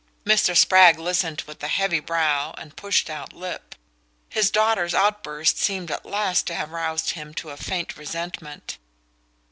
Mr. Spragg listened with a heavy brow and pushed out lip. His daughter's outburst seemed at last to have roused him to a faint resentment.